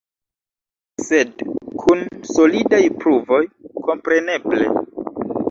Sed kun solidaj pruvoj, kompreneble.